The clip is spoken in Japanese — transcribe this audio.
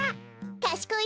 かしこい